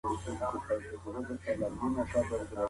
د موادو تنظیمول د بې نظمه کار تر ترسره کولو اسانه دي.